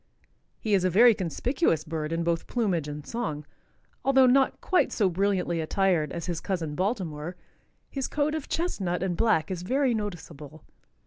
He is a very conspicuous bird in both plumage and song. Although not quite so brilliantly attired as his cousin Baltimore, his coat of chestnut and black is very noticeable.